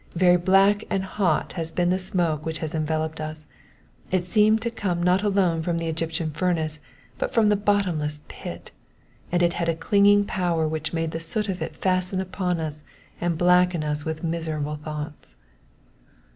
Very black and hot has been the smoke which has enveloped us ; it seemed to come not alone from the Egyptian furnace, but from the bottomless pit ; and it had a clinging power which made the soot of it fasten upon us and blacken us with miserable thoughts.